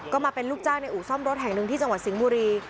ก็มาเป็นลูกจ้างในอู่ซ่อมรถแห่งหนึ่งที่จังหวัดสิงห์บุรี